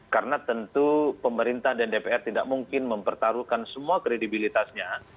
karena tentu pemerintah dan dpr tidak mungkin mempertaruhkan semua kredibilitasnya